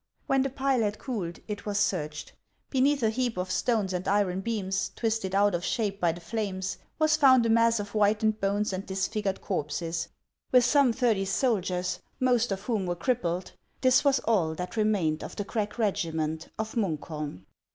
When the pile had cooled, it was searched. Beneath a heap of stones and iron beams, twisted out of shape by the flames, was found a mass of whitened bones and disfigured corpses ; with some thirty soldiers, most of whom were crippled, this was all that remained of the crack regiment of Munkholm.